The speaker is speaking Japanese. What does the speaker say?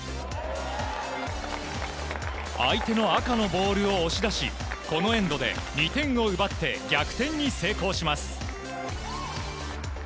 相手の赤のボールを押し出しこのエンドで２点を奪って逆転に成功します。